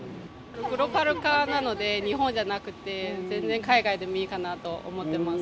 グローバル化なので、日本じゃなくて、全然海外でもいいかなと思ってます。